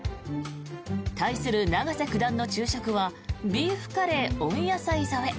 対する永瀬九段の昼食はビーフカレー温野菜添え。